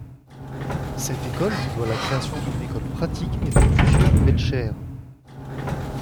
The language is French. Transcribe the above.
Cette école lui doit la création d’une école pratique et de plusieurs nouvelles chaires.